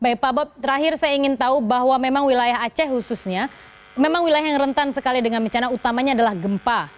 baik pak bob terakhir saya ingin tahu bahwa memang wilayah aceh khususnya memang wilayah yang rentan sekali dengan bencana utamanya adalah gempa